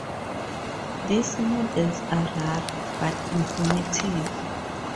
These models are rare, but informative.